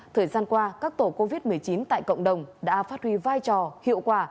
thời gian qua các tổ covid một mươi chín tại cộng đồng đã phát huy vai trò hiệu quả